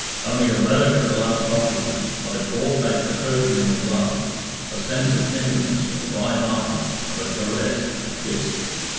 Only a relic of the last occupants, but it brought back the perfume of love, a sense of tenderness, of bright eyes, of a caress, a kiss.